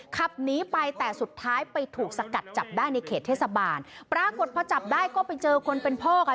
ขับหนีไปแต่สุดท้ายไปถูกสกัดจับได้ในเขตเทศบาลปรากฏพอจับได้ก็ไปเจอคนเป็นพ่อค่ะ